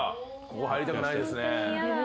ここ入りたくないですね。